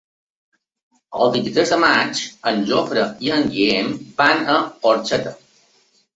El vint-i-tres de maig en Jofre i en Guillem van a Orxeta.